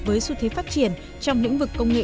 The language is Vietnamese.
với xu thế phát triển trong lĩnh vực công nghệ